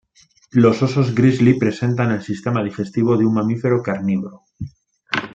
Los osos grizzly presentan el sistema digestivo de un mamífero carnívoro.